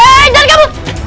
weh jangan kabur